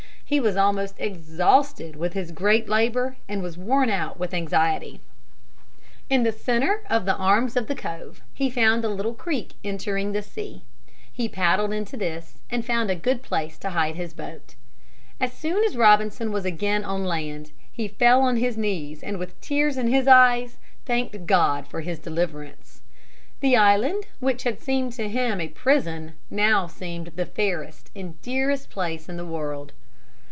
He was almost exhausted with his great labor and was worn out with anxiety. In the centre of the arms of the cove he found a little creek entering the sea. He paddled into this and found a good place to hide his boat. As soon as Robinson was again on land he fell on his knees and with tears in his eyes thanked God for his deliverance. The island which had seemed to him a prison now seemed the fairest and dearest place in the world.